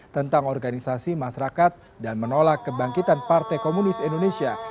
tentang organisasi masyarakat dan menolak kebangkitan partai komunis indonesia